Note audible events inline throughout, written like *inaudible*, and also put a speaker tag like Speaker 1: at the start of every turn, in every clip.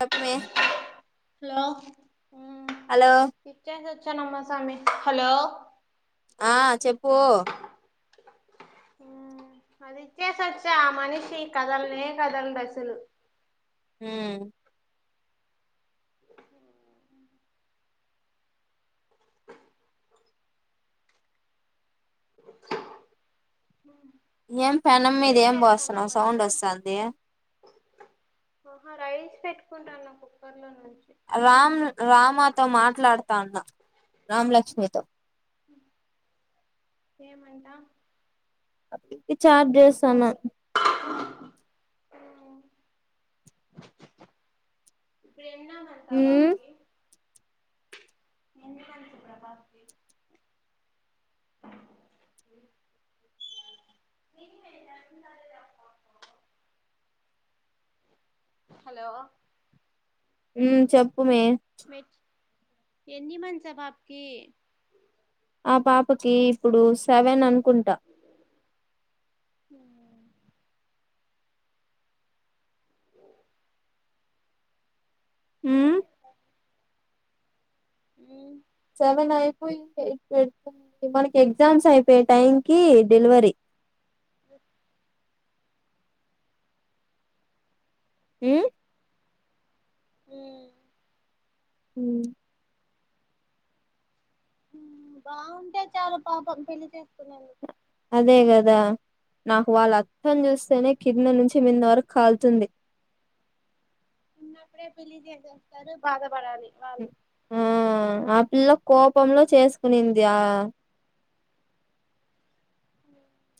Speaker 1: చెప్పవే
Speaker 2: hello
Speaker 1: hello
Speaker 2: ఇచ్చేసి hello
Speaker 1: ఆ చెప్పు
Speaker 2: అది ఇచ్చేసి వచ్చా ఆ మనిషి కదలనే కదలడు అసలు
Speaker 1: హు ఏం పెనం మీద ఏం పోస్తున్నావు సౌండ్ వస్తది
Speaker 2: ఆహా రైస్ పెట్టుకుంటాన్న కుక్కర్ లో నుం
Speaker 1: రామ్ రామాతో మాట్లాడుతాన్న రామలక్ష్మి తో
Speaker 2: ఏమంటా
Speaker 1: ఈ చాట్ చేస్తన్న
Speaker 2: ఫ్రెండ్ అని అంటావా
Speaker 1: ఉమ్
Speaker 2: ఆమెకి హలో
Speaker 1: హు చెప్ ప్పుమే
Speaker 2: ఎన్ని మంత్స్ ఆ పాపకి
Speaker 1: ఆ పాపకి ఇప్పుడు సెవెన్ అన్
Speaker 2: ఉ
Speaker 1: మ్
Speaker 2: మ్
Speaker 1: సెవెన్ అయిపోయి ఎయిట్ *unintelligible* మనకి ఎగ్జామ్స్ అయిపోయే టైం కి డెలివరీ
Speaker 2: బ
Speaker 1: హుమ్
Speaker 2: హు
Speaker 1: హ్మ్
Speaker 2: బాగుంటేయి చాలు పాపం పెళ్లి చేస్తున్నాను
Speaker 1: అదే కదా నాకు వాళ్ళ అత్త చూస్తేనే కింద నుంచి మింద వరకు కాల్తుంది
Speaker 2: చిన్నప్పుడే పెళ్లి చూపేస్తారు బాధపడాలి
Speaker 1: ఆ పెళ్లి కోపంలో చేసుకునిందయా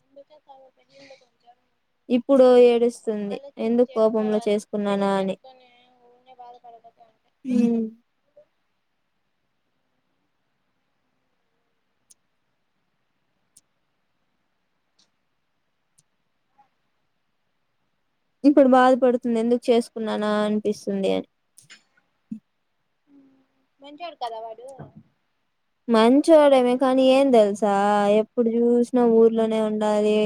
Speaker 2: అందుకే కదా
Speaker 1: ఇప్పుడు ఏడుస్తుంది
Speaker 2: ఆలోచించి
Speaker 1: ఎందుకు కోపంలో
Speaker 2: చేసుకోవాలి పెళ్లి
Speaker 1: చేసుకున్నానా అని
Speaker 2: చేసుకొని ఊన్నే బాధపడపోతా ఉంటే
Speaker 1: ఇప్పుడు బాధపడుతుంది ఎందుకు చేసుకున్నానా అనిపిస్తుంది అని
Speaker 2: మంచివారు కాదా వాడు
Speaker 1: మంచివాడేమే కానీ ఏం తెలుసా ఎప్పుడు చూసినా ఊర్లోనే ఉండాలి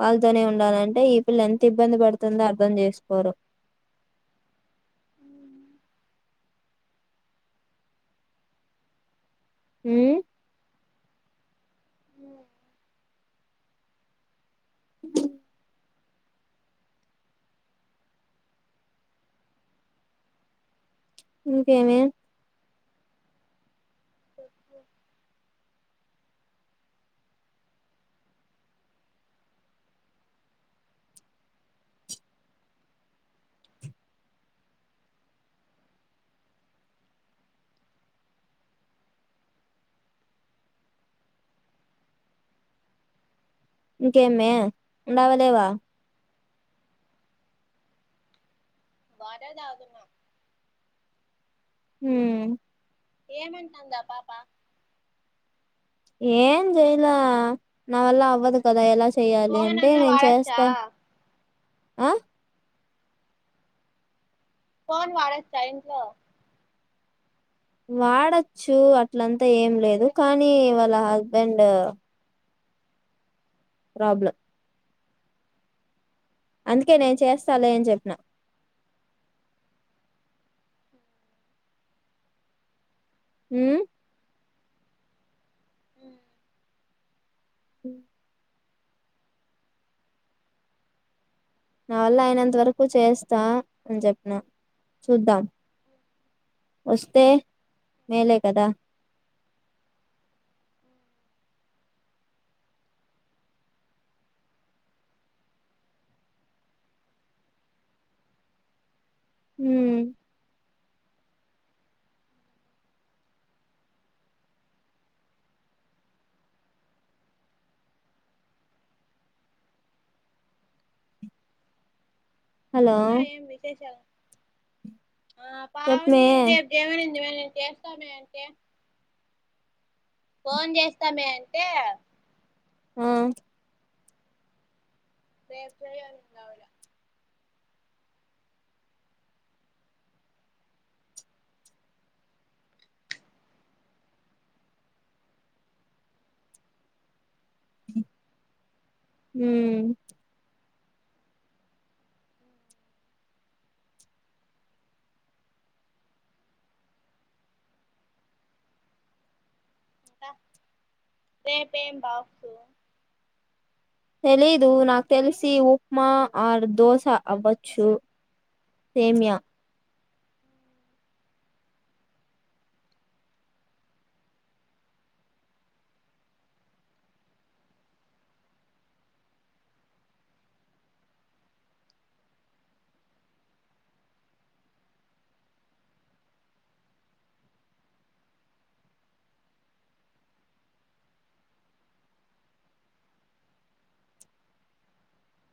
Speaker 1: వాళ్ళతోనే ఉండాలి అంటే ఈ పిల్ల ఎంత ఇబ్బంది పడుతుందో అర్థం చేసుకోరు అ ఇంకేమి
Speaker 2: ఓ
Speaker 1: ఇంకేమ్మే ఉండవలేవా
Speaker 2: వాటర్ తాగుతున్న
Speaker 1: హ్మ్మ్
Speaker 2: ఏమంటంట ఆ పాపా
Speaker 1: ఏం చెయ్యలా నవల్ల అవ్వద్ కదా ఎలా చెయాలి అంటే నేను చేస్తా ఆ
Speaker 2: ఫోను వాడొచ్చా ఇంట్లో
Speaker 1: వాడచ్చు అట్లంతా ఏం లేదు కానీ వాళ్ళ హస్బెండ్ ప్రాబ్లం అందుకే నేను చేస్తాలే అని చెప్పిన ఉ నా వల్ల అయినంత వరకు చేస్తా, అని చెప్పిన చూద్దాం వస్తే మేలే కదా మ్ హలో
Speaker 2: ఇంకా ఏం విశేషాలు
Speaker 1: చేపమే
Speaker 2: ఇవాళ చేస్తామే *unintelligible* ఫోన్ చేస్తామే అంటే
Speaker 1: ఆ
Speaker 2: లైబ్రరీ అంటుంది ఆవిడ
Speaker 1: హుమ్
Speaker 2: రేపేం బాక్సు
Speaker 1: తెలీదు నాకు తెలిసి ఉప్మా ఆర్ దోశ అవ్వచ్చు సేమ్య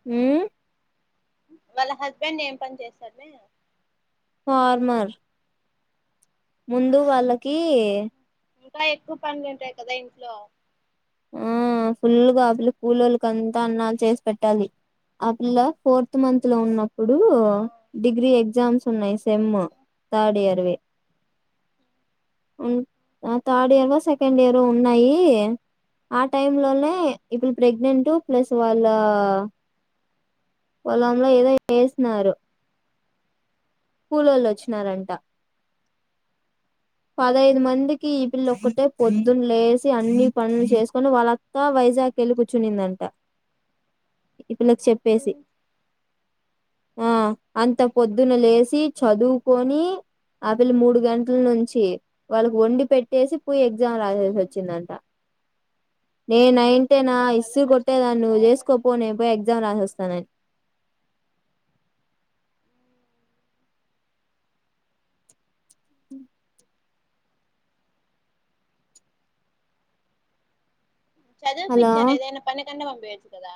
Speaker 1: హుమ్
Speaker 2: వాళ్ళ హస్బెండ్ ఏం పని చేస్తడ్ మే
Speaker 1: ఫార్మర్ ముందు వాళ్ళకి
Speaker 2: ఇంకా ఎక్కువ పనులు ఉంటాయి కదా ఇంట్లో
Speaker 1: ఆ ఫుల్గాగా ఆకలి కూలోళ్ళకి అంతా అన్నాలు చేసి పెట్టాలి. ఆ పిల్ల ఫోర్త్ మంత్ లో ఉన్నప్పుడు డిగ్రీ ఎగ్జామ్స్ ఉన్నాయి. సెమ్ థర్డ్ ఇయర్వి, థర్డ్ ఇయర్ లో సెకండ్ ఇయర్ ఉన్నాయి. ఆ టైం లోనే ఇప్పుడు ప్రెగ్నెంట్ ప్లస్ వాళ్ళ పోలంలో ఏదో వేస్నరు. కులోళ్ళొచ్చినారంట పదహైదు మందికి పిల్ల ఒక్కతే పొద్దున్న లేసి అన్ని పనులు చేసుకొని వాళ్ళంతా వైజాగ్ వెళ్ళి కూర్చునిందంట. ఇ పిల్లకు చెప్పేసి ఆ అంత పొద్దున్న లేసి చదువుకొని ఆ పిల్ల మూడు గంటల నుం చి వాళ్ళకి వండి పెట్టేసి పోయేది ఎగ్జామ్ రాసేసి వచ్చిందంట నేను నైన్ కొట్టేనా ఇసిరి కొట్టేదాన్ని నువ్వు చేసుకోపో నేను పోయి ఎగ్జామ్ రాసోస్తానని ఉ
Speaker 2: చదువు
Speaker 1: హలో
Speaker 2: పిచ్చారు ఏదైనా పనీ కన్న పంపియచ్చు కదా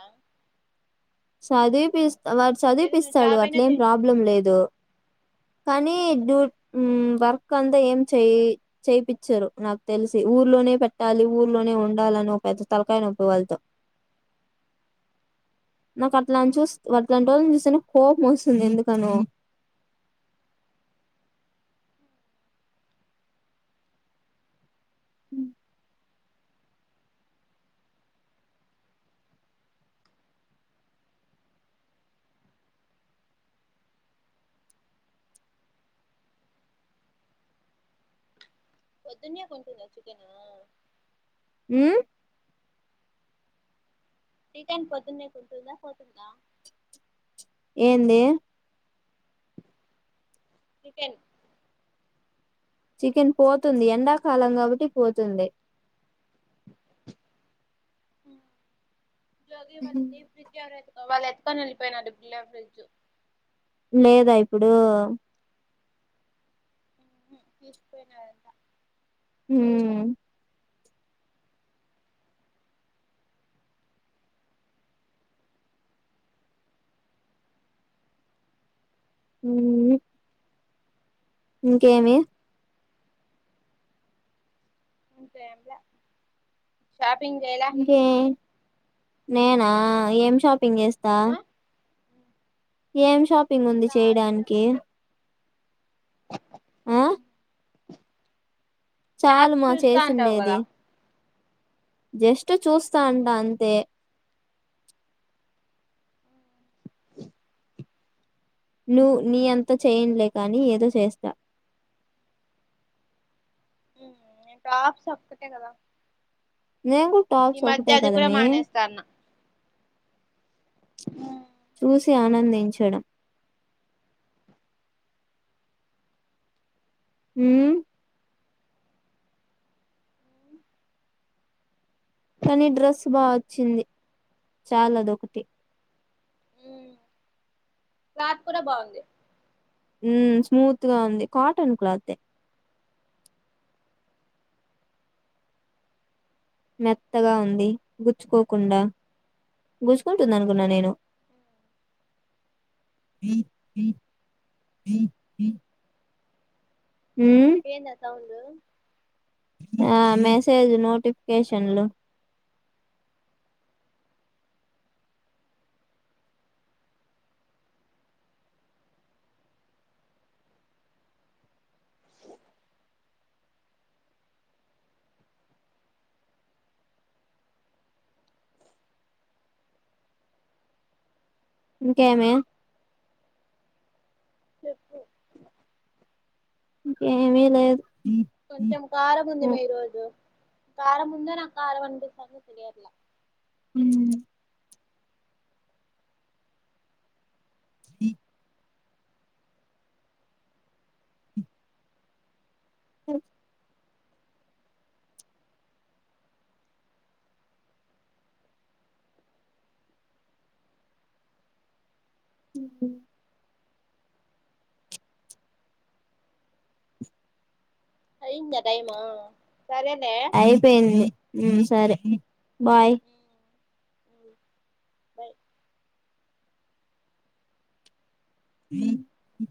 Speaker 1: సదివి పిస్తే వాడు చదివిపిస్తాడు అట్లే ఏం ప్రాబ్లం లేదు. కానీ డ్యూ వర్కంత ఏం చేయి చేయిపిచ్చరు నాకు తెలిసి ఊర్లోనే పెట్టాలి. ఊర్లోనే ఉండాలని ఒక పెద్ద తలకాయి నొప్పి వాళ్ళతో నా కట్లా చూస్ వల్ల రెండు రోజులు మిస్ అయిన కోపం వస్తుంది. ఎందుకనో
Speaker 2: పొద్దున్నే కొంటంద చికెన్
Speaker 1: హ్
Speaker 2: రీటన్ పొద్దుందకు ఉంటూదా పోతుందా
Speaker 1: ఏంది
Speaker 2: రీటాన్
Speaker 1: చికెన్ పోతుంది. ఎండాకాలం కాబట్టి పోతుంది.
Speaker 2: హ్ ఇంట్లోది వాళ్ళ డీప్ ఫ్రిడ్జ్ ఎవరో ఎత్తుకు వాళ్ళు ఎత్తూకొని వెళ్ళిపోయినారు. డొ క్కులో ఫ్రిడ్జ్
Speaker 1: లేదా ఇప్పుడు
Speaker 2: ఉహ్ తీసుపోయినారంట
Speaker 1: ఉమ్ హ్ హు ఇంకేమి
Speaker 2: ఇంకా ఏంలే షా
Speaker 1: ఇంకే నేనా ఏం షాప్ ప్పింగేస్తా ఎమ్ షాపింగ్ ఉంది చేయడానికి ఆ చాలు మా చేసిండేది జస్టు చూస్తాండా అంతే
Speaker 2: *inaudible*
Speaker 1: నువ్వు నీ అంత చేయనులే కానీ ఏదో చేస్తా
Speaker 2: నేను టాప్స్ ఒక్కటే కదా
Speaker 1: నేను కూడా టాప్స్ ఒకటే కదమే చూసి ఆనందించడం హ్మ్ కానీ డ్రస్ బా వచ్చింది చాలుదొకటి
Speaker 2: క్లాత్ కూడా బాగుంది
Speaker 1: ఉ స్మూత్ గా ఉంది కాటన్ క్లాత్ఎ మెత్తగా ఉంది గుచ్చుకోకుండా గుచ్చుకుంటుంది అనుకున్నా నేను మ్మ్
Speaker 2: ఏంది అ సౌండ్
Speaker 1: ఆ మెసేజ్ నోటిఫి కేషన్లు ఇంకెమే ఇంక ఏమి లేదు
Speaker 2: కొంచెం కారం ఉంది
Speaker 1: మ్మ్.
Speaker 2: మే ఈరోజు కారం ఉందో నాకు కారం అనిపిస్తుందో తెలియట్ల
Speaker 1: హు ఈ ఓ ఉహు
Speaker 2: అయిందా టైము
Speaker 1: అయిపోయింది సరే బాయ్
Speaker 2: బై
Speaker 1: *unintelligible*